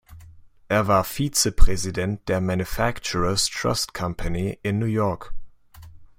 Er war Vizepräsident der "Manufacturers Trust Company" in New York.